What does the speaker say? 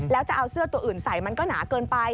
แล้วจะเอาเสื้อตัวอื่นใส่มันก็หนาเกินไป